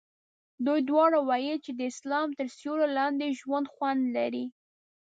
دوی دواړو ویل چې د اسلام تر سیوري لاندې ژوند خوند لري.